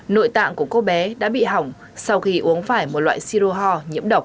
nội tạng của cô bé đã bị hỏng sau khi uống phải một loại siro ho nhiễm độc